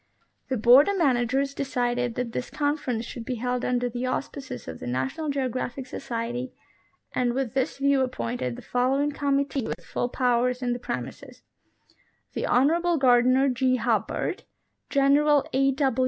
The Board of Managers decided that this conference should be held under the auspices of the National Geographic Society, and with this view appointed the following committee with full powers in the premises : The Honorable Gardiner G. Hubbard, General A.